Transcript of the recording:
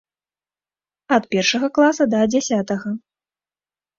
Ад першага класа да дзясятага.